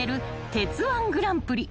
鉄−１グランプリ